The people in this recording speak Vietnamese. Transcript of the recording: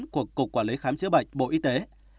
của cục quản lý khám chữa bệnh bộ y tế